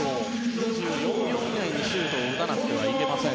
２４秒以内にシュートを打たなくてはいけません。